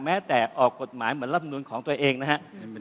แม้แต่ออกกฎหมายเหมือนรับนูลของตัวเองนะครับ